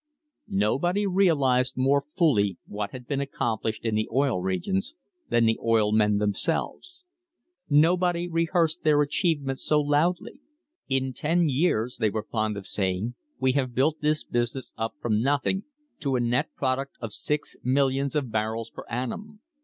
Nobody realised more fully what had been accomplished in the Oil Regions than the oil men themselves. Nobody rehearsed their achievements so loudly. "In ten years," they were fond of saying, "we have built this business up from nothing to a net product of six millions of barrels per annum.